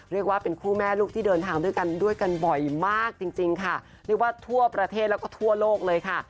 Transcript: เรียกว่าเป็นคู่แม่ลูกที่เดินทางด้วยกันด้วยกันบ่อยมากจริงจริงค่ะเรียกว่าทั่วประเทศแล้วก็ทั่วโลกเลยค่ะ